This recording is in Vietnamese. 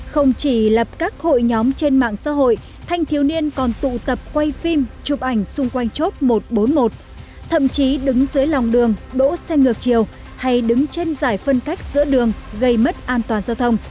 không chỉ lập các hội nhóm trên mạng xã hội thanh thiếu niên còn tụ tập quay phim chụp ảnh xung quanh chốt một trăm bốn mươi một thậm chí đứng dưới lòng đường đỗ xe ngược chiều hay đứng trên giải phân cách giữa đường gây mất an toàn giao thông